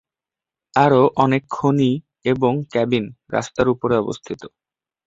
আরও অনেক খনি এবং কেবিন রাস্তার উপরে অবস্থিত।